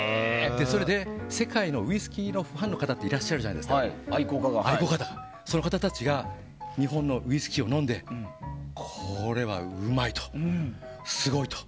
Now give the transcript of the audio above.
それで、世界のウイスキーのファンの方その方たちが日本のウイスキーを飲んでこれはうまいと、すごいと。